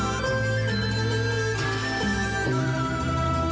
โอ้โหโอ้โหโอ้โห